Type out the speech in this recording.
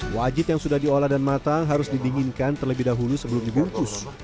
wajit yang sudah diolah dan matang harus didinginkan terlebih dahulu sebelum dibungkus